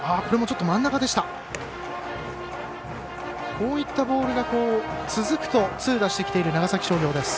こういったボールが続くと痛打してきている長崎商業です。